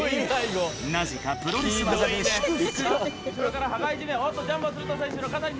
なぜかプロレス技で祝福！